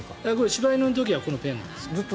柴犬の時はこのペンなんです。